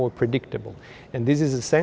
và đạt được thông tin